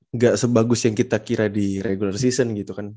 nggak sebagus yang kita kira di regular season gitu kan